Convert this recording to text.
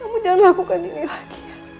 kamu jangan lakukan ini lagi